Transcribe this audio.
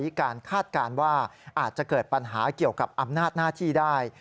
การคาดการณ์ว่าอาจจะเกิดปัญหาเกี่ยวกับอำนาจหน้าที่ได้